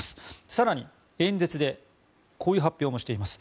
更に、演説でこういう発表もしています。